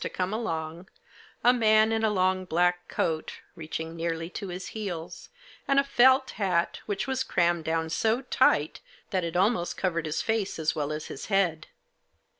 to come along, a man in a long black coat, reaching nearly to his heels, and a felt hat, which was crammed down so tight, that it almost covered his face as well as his head.